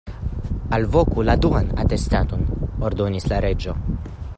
"Alvoku la duan atestanton," ordonis la Reĝo.